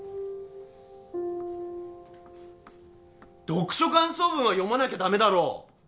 読書感想文は読まなきゃだめだろ。